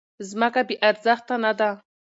ځمکه بې ارزښته نه ده.